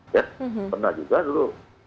ya pernah juga lho